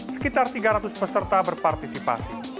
sekitar tiga ratus peserta berpartisipasi